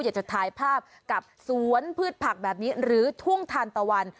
อยากจะถ่ายภาพกับสวนพืชผักแบบนี้หรือทุ่งทานตะวัน